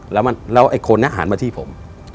แล้วไอ้คนนี้หันมาที่ผม